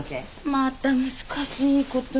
また難しいこと。